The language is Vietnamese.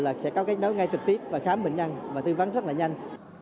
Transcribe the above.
là sẽ có cách đối ngay trực tiếp và khám bệnh nhân và tư vấn rất là nhanh